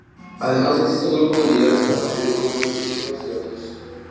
Además existe un grupo de unidades para medir volúmenes de líquidos y otros.